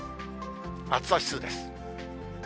暑さ指数です。